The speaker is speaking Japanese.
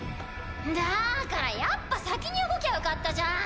だからやっぱ先に動きゃよかったじゃん。